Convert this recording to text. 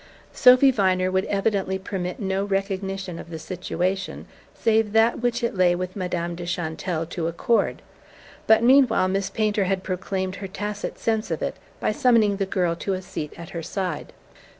Sophy Viner would evidently permit no recognition of the situation save that which it lay with Madame de Chantelle to accord; but meanwhile Miss Painter had proclaimed her tacit sense of it by summoning the girl to a seat at her side.